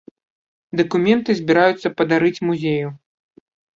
Дакументы збіраюцца падарыць музею.